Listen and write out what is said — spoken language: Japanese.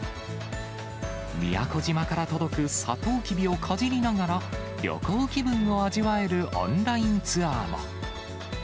宮古島から届くサトウキビをかじりながら、旅行気分を味わえるオンラインツアーも。